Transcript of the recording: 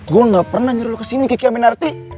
gue gak pernah nyuruh lo kesini kiki aminarti